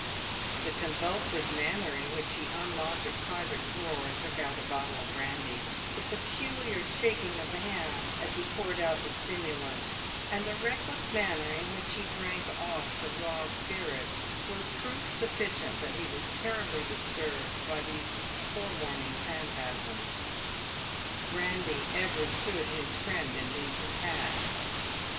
The convulsive manner in which he unlocked a private drawer and took out a bottle of brandy ; the peculiar shaking of the hand as he poured out the stimulant ; and the reckless manner in which he drank off the raw spirit, were proof sufficient that he was terribly disturbed by these forewarning phantasms. Brandy ever stood his friend in y2 324j payed with gold. these attacks.